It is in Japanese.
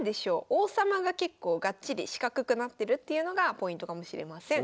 王様が結構がっちり四角くなってるっていうのがポイントかもしれません。